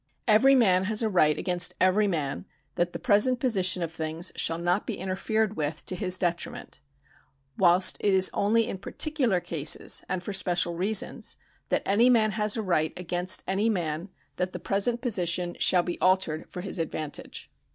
Every man has a right against every man that the present position of things shall not be interfered with to his detri ment ; whilst it is only in particular cases and for special reasons that any man has a right against any man that the present position shall be altered for his advantage.